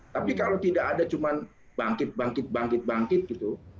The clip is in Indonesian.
tapi kalau tidak ada cuma bangkit bangkit bangkit bangkit gitu